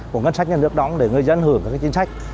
của ngân sách nhà nước đóng để người dân hưởng các chính sách